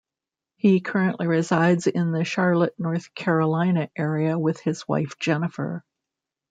He currently resides in the Charlotte, North Carolina area with his wife Jennifer.